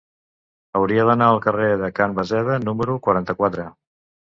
Hauria d'anar al carrer de Can Basseda número quaranta-quatre.